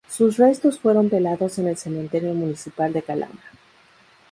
Sus restos fueron velados en el Cementerio Municipal de Calama.